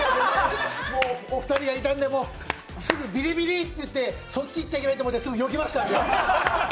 もうお二人が痛いのですぐビリビリっていってそっち行っちゃいけないと思ってすぐよけましたので。